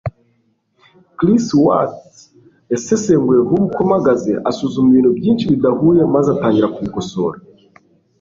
Chris Watts yasesenguye vuba uko mpagaze, asuzuma ibintu byinshi bidahuye, maze atangira kubikosora.